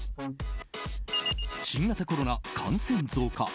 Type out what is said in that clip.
新型コロナ感染増加。